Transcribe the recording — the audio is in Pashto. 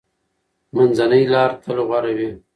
منځنۍ لار تل غوره وي.